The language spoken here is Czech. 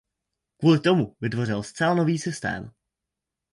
Kvůli tomu vytvořil zcela nový systém.